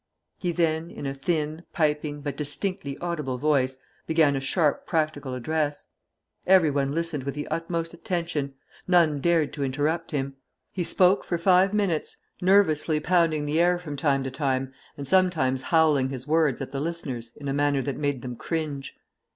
He then, in a thin, piping, but distinctly audible voice, began a sharp practical address. Everyone listened with the utmost attention; none dared to interrupt him. He spoke for five minutes, nervously pounding the air from time to time, and sometimes howling his words at the listeners in a manner that made them cringe.